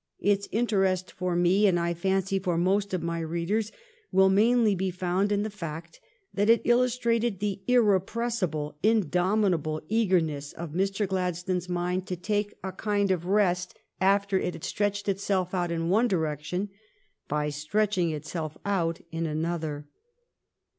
Its interest for me, and I fancy for most of my readers, will mainly be found in the fact that it illustrated the irrepressible, in domitable eagerness of Mr. Gladstones mind to take a kind of rest, after it had stretched itself out in one direction, by stretching itself out in another.